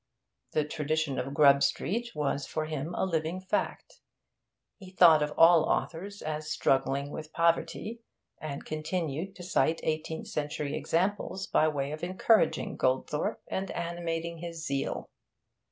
The tradition of Grub Street was for him a living fact. He thought of all authors as struggling with poverty, and continued to cite eighteenth century examples by way of encouraging Goldthorpe and animating his zeal.